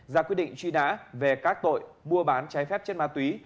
ra quyết định truy nã về các tội mua bán trái phép chất ma túy